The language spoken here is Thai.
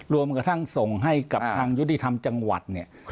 รวมกับทางส่งให้กับทางยุติธรรมจังหวัด